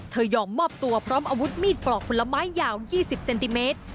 ยอมมอบตัวพร้อมอาวุธมีดปลอกผลไม้ยาว๒๐เซนติเมตร